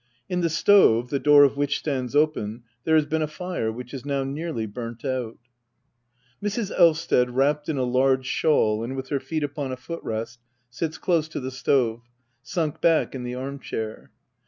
In the stove, the door of which stands open, there has been afire, which is now nearly burnt out, Mrs. Elvsted^ wrapped in a large shawl, and with her feet upon a foot rest^ sits close to the stave, sunk back in the arm chair.